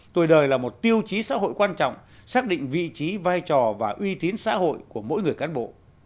tuổi đời là một tiêu chí xã hội quan trọng xác định vị trí vai trò và uy tín xã hội của mỗi người cán bộ